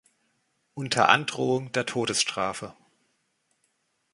Unter Androhung der Todesstrafe